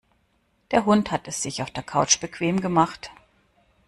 Der Hund hat es sich auf der Couch bequem gemacht.